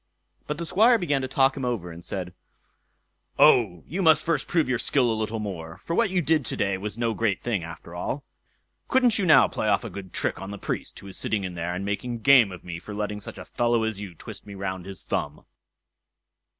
But the Squire began to talk him over, and said, "Oh, you must first prove your skill a little more; for what you did to day was no great thing, after all. Couldn't you now play off a good trick on the Priest, who is sitting in there, and making game of me for letting such a fellow as you twist me round his thumb."